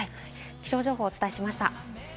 気象情報をお伝えしました。